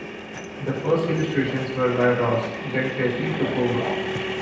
The first illustrations were by Ross, then Tessier took over.